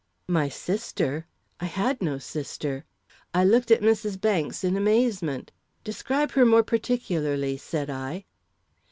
My sister! I had no sister. I looked at Mrs. Banks in amazement "Describe her more particularly," said I.